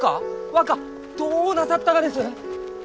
若どうなさったがです！？